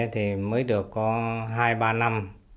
thì mới được có hai ba năm